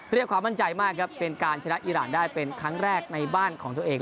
เรียกความมั่นใจมากครับเป็นการชนะอิราณได้เป็นครั้งแรกในบ้านของตัวเอง